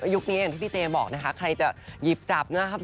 ยุคนี้อย่างที่พี่เจบอกนะคะใครจะหยิบจับนะครับ